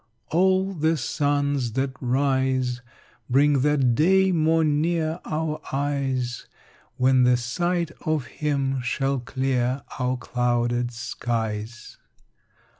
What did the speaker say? All the suns that rise Bring that day more near our eyes When the sight of him shall clear our clouded skies.